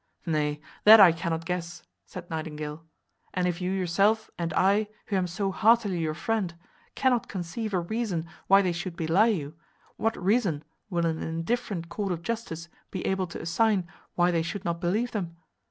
"Nay, that I cannot guess," said Nightingale, "and if you yourself, and I, who am so heartily your friend, cannot conceive a reason why they should belie you, what reason will an indifferent court of justice be able to assign why they should not believe them?